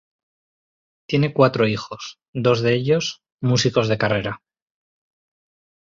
Tiene cuatro hijos, dos de ellos, músicos de carrera.